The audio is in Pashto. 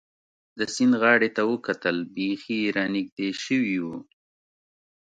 د سیند غاړې ته وکتل، بېخي را نږدې شوي و.